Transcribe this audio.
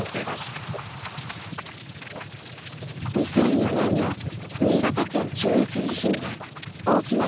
２００４年の新潟県中越地震で大きな被害を受けた山古志。